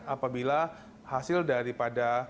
apabila hasil daripada